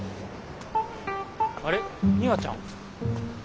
あれミワちゃん？